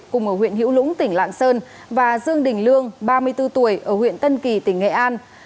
cùng ở huyện hiểu lũng tỉnh lạng sơn và dương đình lương ba mươi bốn tuổi ở huyện tân kỳ tỉnh nghệ an